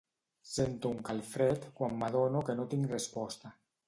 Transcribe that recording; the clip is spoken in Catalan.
Sento un calfred quan m'adono que no tinc resposta.